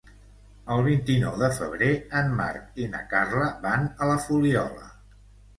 El vint-i-nou de febrer en Marc i na Carla van a la Fuliola.